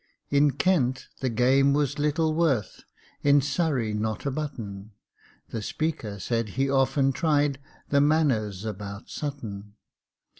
In Kent the game was little worth, In Surrey not a button; The Speaker said he often tried The Manors about Button.